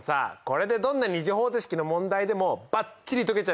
これでどんな２次方程式の問題でもバッチリ解けちゃいそう！